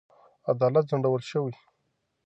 عدالت ځنډول شوی.